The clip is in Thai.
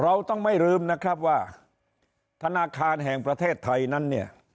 เราต้องไม่ลืมนะครับว่าธนาคารแห่งประเทศไทยนั้นเนี่ย